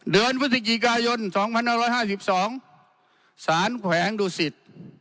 เดือนพฤศจิกายนสองพันห้าร้อยห้าสิบสองสารแขวงดุสิต